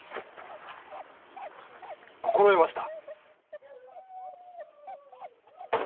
心得ました。